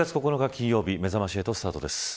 金曜日めざまし８スタートです。